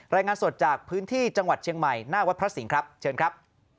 รายงานสดจากพื้นที่จังหวัดเชียงใหม่หน้าวัดพระสิงห์ครับเชิญครับ